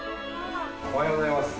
おはようございます。